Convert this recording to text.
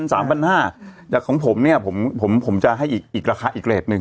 สามพันห้าแต่ของผมเนี้ยผมผมผมจะให้อีกอีกราคาอีกเรทนึง